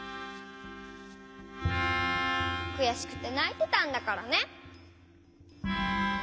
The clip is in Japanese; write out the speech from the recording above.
くやしくてないてたんだからね。